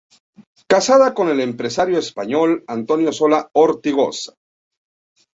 Casada con el empresario español, Antonio Sola Ortigosa.